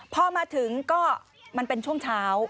พอมาถึงก็มันเป็นช่วงเช้า